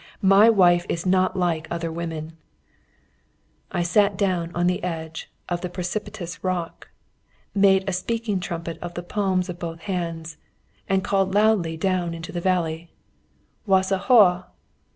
My wife is not like other women." I sat down on the edge of the precipitous rock, made a speaking trumpet of the palms of both hands, and called loudly down into the valley "Wasa hóa!"